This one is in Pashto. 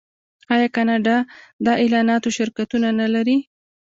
آیا کاناډا د اعلاناتو شرکتونه نلري؟